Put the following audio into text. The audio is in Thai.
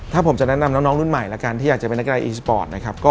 ถ้าผมจะแนะนำน้องรุ่นใหม่ที่อยากจะเป็นนักกีฎาอีสสปอร์ต